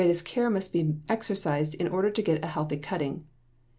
The greatest care must be exercised in order to get a healthy cutting.